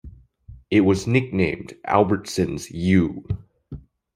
It was nicknamed Albertsons' U.